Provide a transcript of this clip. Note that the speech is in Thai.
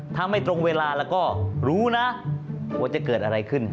ถ้าไม่ตรงเวลาเราก็รู้นะว่าจะเกิดอะไรขึ้น